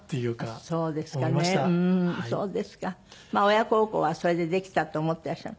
親孝行はそれでできたと思ってらっしゃる？